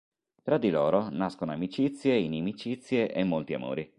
Tra di loro, nascono amicizie, inimicizie e molti amori.